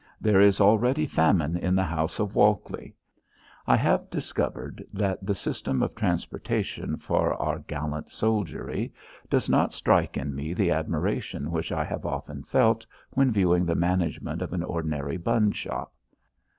There is already famine in the house of Walkley. I have discovered that the system of transportation for our gallant soldiery does not strike in me the admiration which I have often felt when viewing the management of an ordinary bun shop.